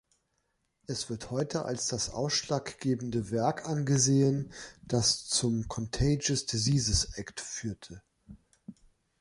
Es wird heute als das ausschlaggebende Werk angesehen, das zum Contagious Diseases Act führte.